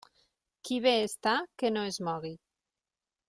Qui bé està que no es mogui.